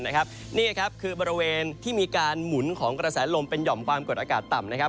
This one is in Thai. นี่ครับคือบริเวณที่มีการหมุนของกระแสลมเป็นหย่อมความกดอากาศต่ำนะครับ